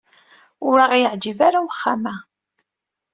Ur aɣ-yeɛjib ara uxxam-a.